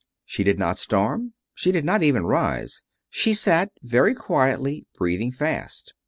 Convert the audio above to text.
She did not storm. She did not even rise. She sat very quietly, breathing fast.